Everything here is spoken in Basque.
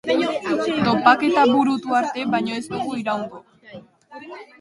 Topaketa burutu arte baino ez du iraungo.